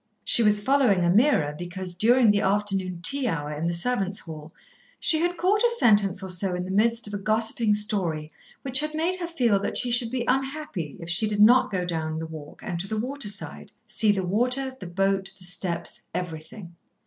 She was following Ameerah because, during the afternoon tea hour in the servants' hall, she had caught a sentence or so in the midst of a gossiping story, which had made her feel that she should be unhappy if she did not go down the walk and to the water side, see the water, the boat, the steps, everything.